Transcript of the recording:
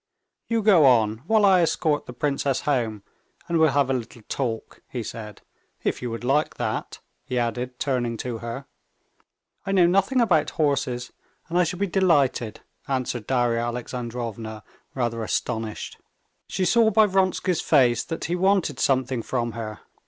"You go on, while I escort the princess home, and we'll have a little talk," he said, "if you would like that?" he added, turning to her. "I know nothing about horses, and I shall be delighted," answered Darya Alexandrovna, rather astonished. She saw by Vronsky's face that he wanted something from her.